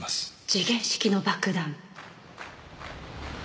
時限式の爆弾。